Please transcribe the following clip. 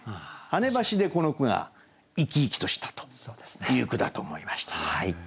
「跳ね橋」でこの句が生き生きとしたという句だと思いました。